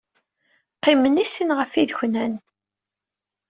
Qqimen i sin ɣef yideknan.